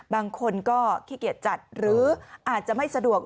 บางคนก็ขี้เกียจจัดหรืออาจจะไม่สะดวก